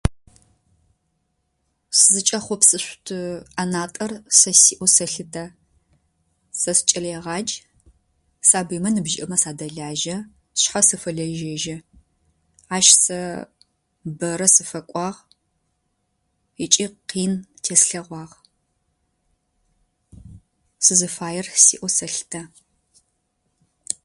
Сызыкӏэхъопсышъут ӏанатӏэ сэ сиӏэу сэлъытэ. Сэ сыкӏэлэегъадж. Сабыймэ ныбжьыкӏэмэ садэлажьэ. Сшъхьэ сыфэлэжьэжьы. Ащ сэ бэрэ сыфэкӏуагъ ыкӏи къин теслъэгъуагъ. Сызыфаер сиӏэу сэлъытэ.